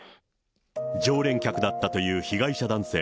常連客だったという被害者男性。